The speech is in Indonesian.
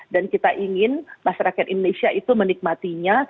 dan kita ingin masyarakat indonesia itu menikmatinya